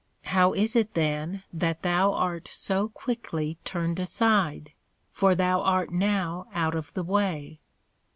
How is it then that thou art so quickly turned aside? for thou art now out of the way.